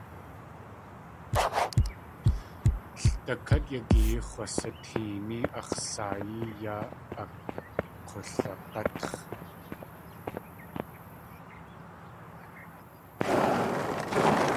Ldakát yagiyee x̲wsateení ax̲ saayí yaa ak̲ulag̲átx̲.